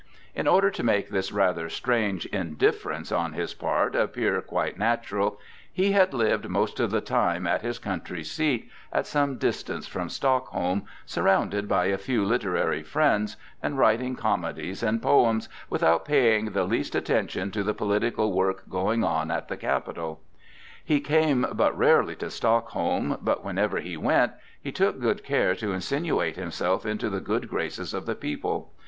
In order to make this rather strange indifference on his part appear quite natural, he had lived most of the time at his country seat, at some distance from Stockholm, surrounded by a few literary friends and writing comedies and poems, without paying the least attention to the political work going on at the capital. He came but rarely to Stockholm, but whenever he went, he took good care to insinuate himself into the good graces of the people.